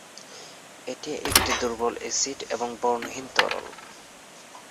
এটি একটি দুর্বল অ্যাসিড এবং বর্ণহীন তরল।